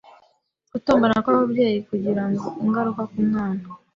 Gutongana kw’ababyeyi kugira ingaruka ku mwana